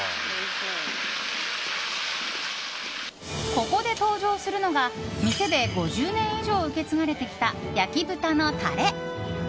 ここで登場するのが店で５０年以上受け継がれてきた焼豚のタレ。